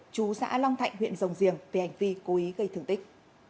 chú xã long thạnh huyện rồng riềng về hành vi cố ý gây thương tích